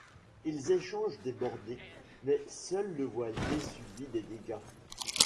Ils échangent des bordées, mais seul le voilier subit des dégâts.